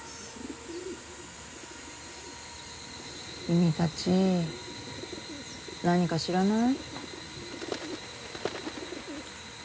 君たち何か知らない？